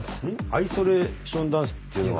アイソレーションダンスっていうのは？